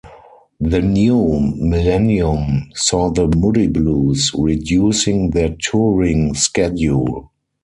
The new millennium saw the Moody Blues reducing their touring schedule.